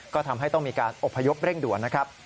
ก็ทำให้ต้องมีการอบพยพเร่งด่วนนะครับ